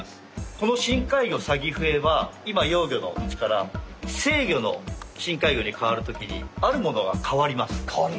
この深海魚サギフエは今幼魚のうちから成魚の深海魚に変わるときにあるものが変わります。